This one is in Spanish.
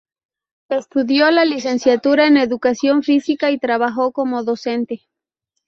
Estudió la licenciatura en Educación Física y trabajó como docente.